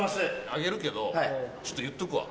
あげるけどちょっと言っとくわ。